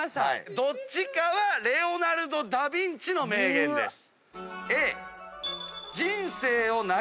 どっちかはレオナルド・ダ・ヴィンチの名言です。